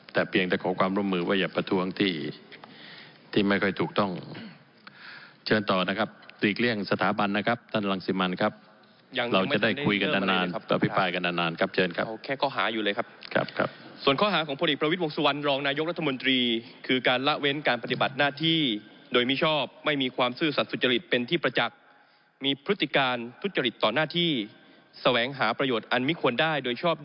แต่เพียงแต่ของความร่วมมือว่าอย่าประท้วงที่